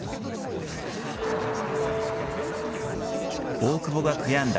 大久保が悔やんだ